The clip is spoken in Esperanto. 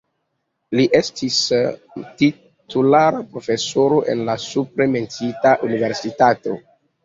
Li estis titulara profesoro en la supre menciita universitato.